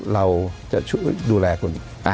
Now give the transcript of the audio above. เราจะช่วยดูแลคุณ